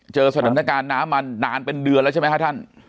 เจอสถานการณ์น้ำมานานเป็นเดือนแล้วใช่ไหมครับท่าน